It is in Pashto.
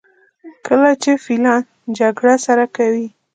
کله چې فیلان جګړه سره کوي.